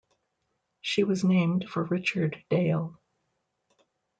She was named for Richard Dale.